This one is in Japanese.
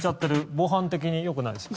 防犯的に良くないですよ。